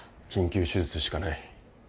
緊急手術しかない。